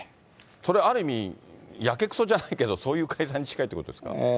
それ、ある意味、やけくそじゃないけど、そういう解散に近いということですか。